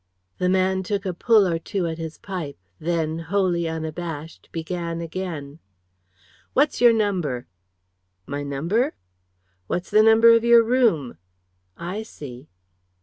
The man took a pull or two at his pipe; then, wholly unabashed, began again "What's your number?" "My number?" "What's the number of your room?" "I see."